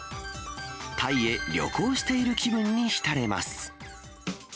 タイへ旅行している気分に浸れます。